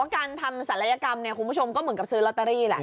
การทำศัลยกรรมคุณผู้ชมก็เหมือนกับซื้อลอตเตอรี่แหละ